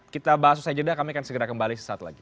kita bahas usai jeda kami akan segera kembali sesaat lagi